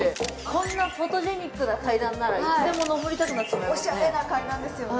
こんなにフォトジェニックな階段ならいつでものぼりたくなっちゃいますよね。